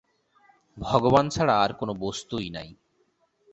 ভগবান ছাড়া আর কোন বস্তুই নাই।